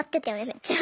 めっちゃ。